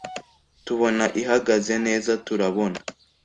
tubona ihagaze neza turabona